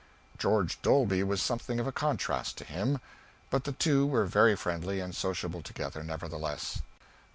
George Dolby was something of a contrast to him, but the two were very friendly and sociable together, nevertheless.